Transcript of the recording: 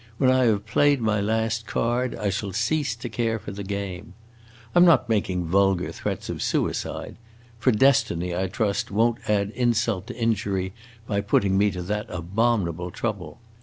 When I have played my last card, I shall cease to care for the game. I 'm not making vulgar threats of suicide; for destiny, I trust, won't add insult to injury by putting me to that abominable trouble.